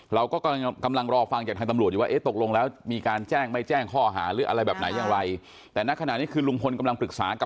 เรากำลังรอฟังจากทางตำรวจตกลงแล้วมีการแจ้งหรืออะไรแบบนั้นยังไง